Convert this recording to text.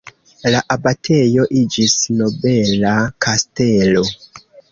La abatejo iĝis nobela kastelo.